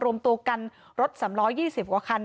รวมตัวกันรถ๓๒๐กว่าคัน